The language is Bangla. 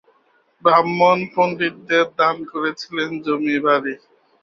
ব্রাহ্মণ পণ্ডিতদের দান করেছিলেন জমি বাড়ি।